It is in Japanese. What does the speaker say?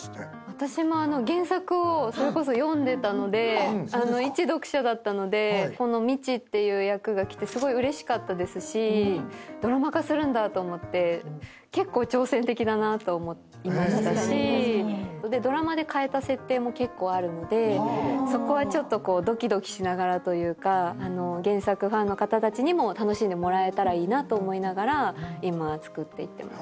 私も原作をそれこそ読んでたので一読者だったのでみちっていう役が来てすごいうれしかったですしドラマ化するんだと思って結構挑戦的だなと思いましたしドラマで変えた設定も結構あるのでそこはちょっとドキドキしながらというか原作ファンの方たちにも楽しんでもらえたらいいなと思いながら今は作っていってます。